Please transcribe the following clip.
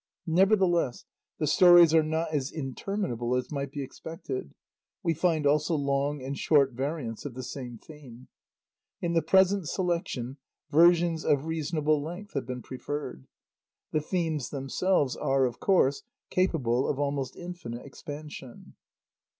Nevertheless, the stories are not as interminable as might be expected; we find also long and short variants of the same theme. In the present selection, versions of reasonable length have been preferred. The themes themselves are, of course, capable of almost infinite expansion.